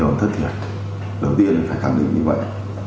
đầu tiên phải khẳng định như vậy